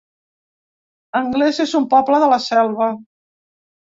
Anglès es un poble de la Selva